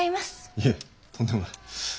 いえとんでもない。